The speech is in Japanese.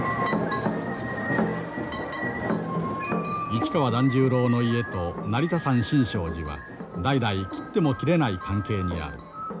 市川團十郎の家と成田山新勝寺は代々切っても切れない関係にある。